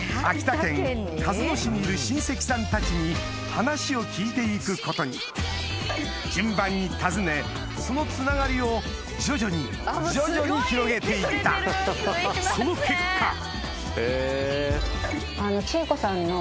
秋田県鹿角市にいる親戚さんたちに話を聞いて行くことに順番に訪ねそのつながりを徐々に徐々に広げて行ったその結果